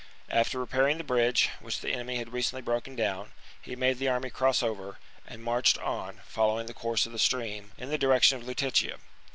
After repairing the bridge, which the enemy had recently broken down, he made the army cross over, and marched on, following the course of the stream, in the direc tion of Lutetia.